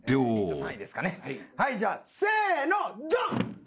はいじゃあせのドン！